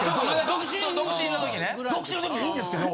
独身の時でいいんですけど。